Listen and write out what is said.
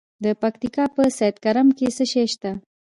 د پکتیا په سید کرم کې څه شی شته؟